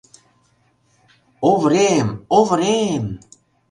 Оврем, Оврем!